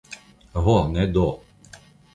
Ho ne do!